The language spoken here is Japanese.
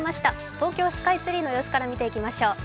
東京スカイツリーの様子から見ていきましょう。